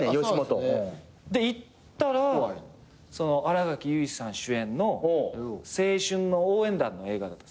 行ったら新垣結衣さん主演の青春の応援団の映画だった。